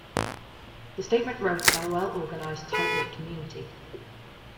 The statement wrote about a well-organized, tight-knit community.